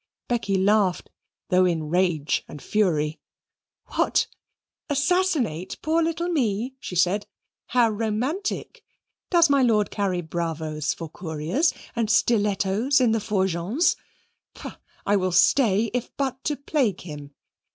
Becky laughed, though in rage and fury. "What! assassinate poor little me?" she said. "How romantic! Does my lord carry bravos for couriers, and stilettos in the fourgons? Bah! I will stay, if but to plague him.